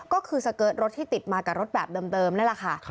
ก็คือสเกิร์ตรถที่ติดมากับรถแบบเดิมนั่นแหละค่ะ